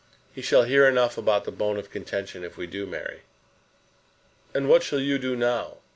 He shall hear enough about the bone of contention if we do 'marry.'" "And what shall you do now?"